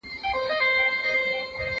زه اوږده وخت د سبا لپاره د نوي لغتونو يادوم!!